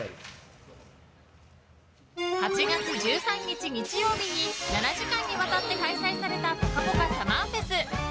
８月１３日、日曜日に７時間にわたって開催されたぽかぽかＳＵＭＭＥＲＦＥＳ。